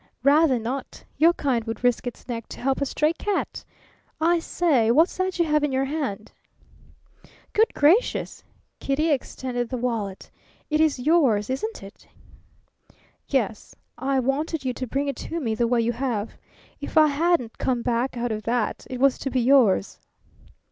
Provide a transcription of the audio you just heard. "Rather not! Your kind would risk its neck to help a stray cat. I say, what's that you have in your hand?" "Good gracious!" Kitty extended the wallet. "It is yours, isn't it?" "Yes. I wanted you to bring it to me the way you have. If I hadn't come back out of that it was to be yours."